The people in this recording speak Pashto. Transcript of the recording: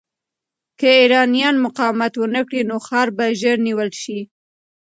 که ایرانیان مقاومت ونه کړي، نو ښار به ژر نیول شي.